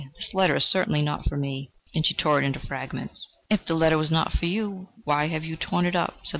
"This letter is certainly not for me." And she tore it into fragments. "If the letter was not for you, why have you torn it up?"